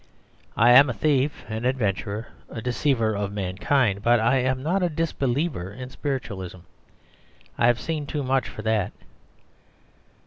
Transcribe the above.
I am a thief, an adventurer, a deceiver of mankind, but I am not a disbeliever in spiritualism. I have seen too much for that."